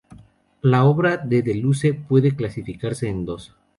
La obra de Deleuze puede clasificarse en dos.